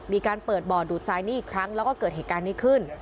มีการเปิดบ่อดูดทรายนี่อีกครั้งแล้วก็เกิดเหตุการณ์นี้ขึ้น